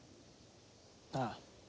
ああ。